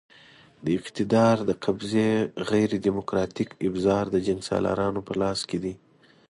د اقتدار د قبضې غیر دیموکراتیک ابزار د جنګسالارانو په لاس کې دي.